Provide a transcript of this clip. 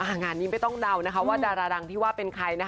งานนี้ไม่ต้องเดานะคะว่าดาราดังที่ว่าเป็นใครนะคะ